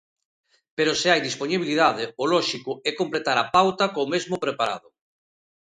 Pero se hai dispoñibilidade, o lóxico é completar a pauta co mesmo preparado.